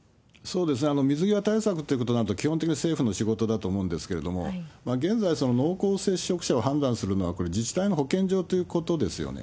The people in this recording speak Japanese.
水際対策ということになると、基本的に政府の仕事だと思うんですけれども、現在、濃厚接触者を判断するのは、これ、自治体の保健所ということですよね。